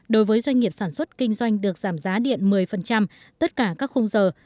đối với doanh nghiệp sản xuất kinh doanh được giảm giá điện một mươi tất cả các khung giờ